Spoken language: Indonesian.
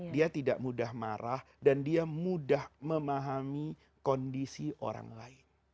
dia tidak mudah marah dan dia mudah memahami kondisi orang lain